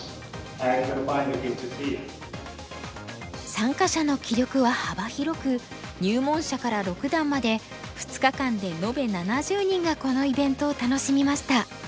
参加者の棋力は幅広く入門者から六段まで２日間で延べ７０人がこのイベントを楽しみました。